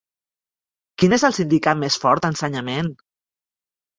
Quin és el sindicat més fort a ensenyament?